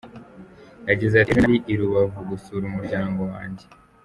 Yagize ati “ Ejo nari i Rubavu gusura umuryango wanjye.